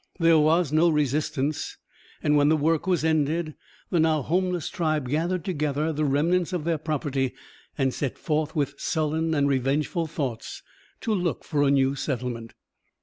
There was no resistance, and when the work was ended, the now homeless tribe gathered together the remnants of their property, and set forth with sullen and revengeful thoughts to look for a new settlement.